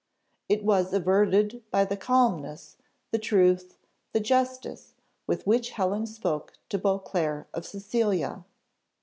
It was averted by the calmness, the truth, the justice with which Helen spoke to Beauclerc of Cecilia.